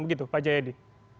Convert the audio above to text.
begitu pak jayadi